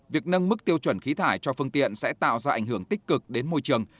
việc nâng mức tiêu chuẩn khí thải cho phương tiện sẽ tạo ra ảnh hưởng tích cực đến môi trường